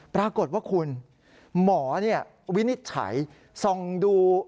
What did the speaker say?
ปรากฏว่าคุณหมอวินิจฉัยส่องดู